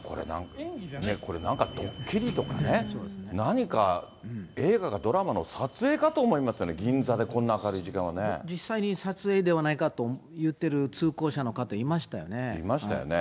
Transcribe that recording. これ、なんかドッキリとかね、何か、映画かドラマの撮影かと思いますよね、銀座でこんな明るい時間は実際に、撮影ではないかと言ってる通行者の方いましたよね。